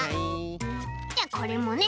じゃあこれもね